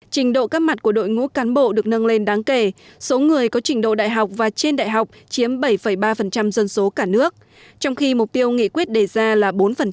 trình độ các mặt của đội ngũ cán bộ được nâng lên đáng kể số người có trình độ đại học và trên đại học chiếm bảy ba dân số cả nước trong khi mục tiêu nghị quyết đề ra là bốn